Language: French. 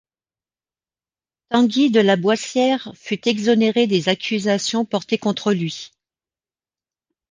Tanguy de la Boissière fut exonéré des accusations portées contre lui.